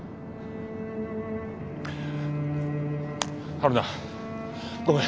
春菜ごめん。